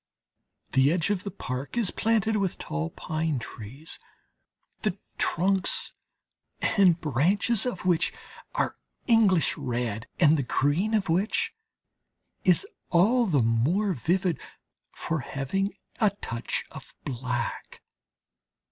The edge of the park is planted with tall pine trees, the trunks and branches of which are English red, and the green of which is all the more vivid for having a touch of black.